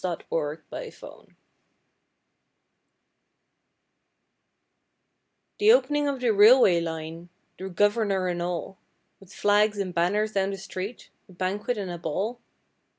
The First Surveyor 'The opening of the railway line! the Governor and all! With flags and banners down the street, a banquet and a ball.